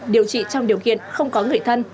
điều trị trong điều kiện không có người thân